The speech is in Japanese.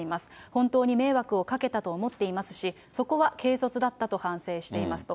本当に迷惑をかけたと思っていますし、そこは軽率だったと反省していますと。